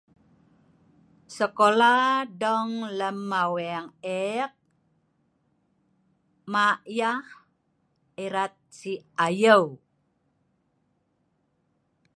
sekola dong lem aweng ek ma' yeh erat sik ayeu